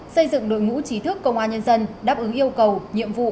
xây dựng đội ngũ trí thức công an nhân dân đáp ứng yêu cầu nhiệm vụ